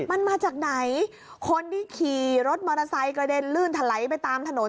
มันมาจากไหนคนที่ขี่รถมอเตอร์ไซค์กระเด็นลื่นถลายไปตามถนน